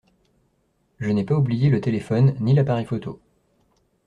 Je n’ai pas oublié le téléphone, ni l’appareil photo.